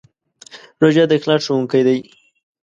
روژه د اخلاص ښوونکی دی.